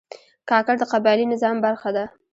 کاکړ د قبایلي نظام برخه ده.